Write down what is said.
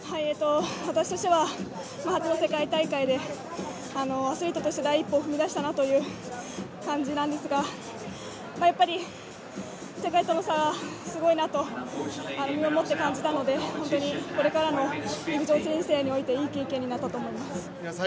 私たちは初の世界大会でアスリートとして第一歩を踏み出したなという感じなんですけどやっぱり世界との差はすごいなと身をもって感じたので、これからの陸上人生においていい経験になったと思います。